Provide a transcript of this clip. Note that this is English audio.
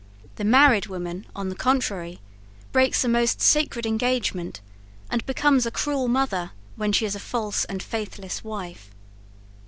The married woman, on the contrary, breaks a most sacred engagement, and becomes a cruel mother when she is a false and faithless wife.